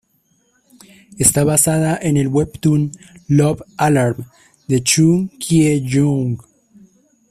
Está basada en el webtoon "Love Alarm" de Chon Kye-young.